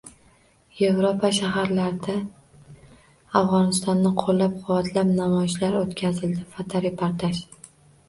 Yevropa shaharlarida Afg‘onistonni qo‘llab-quvvatlab namoyishlar o‘tkazildi. Fotoreportaj